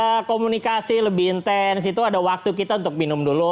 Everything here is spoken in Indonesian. kalau komunikasi lebih intens itu ada waktu kita untuk minum dulu